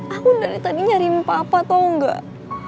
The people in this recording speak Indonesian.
aku dari tadi nyariin papa tau gak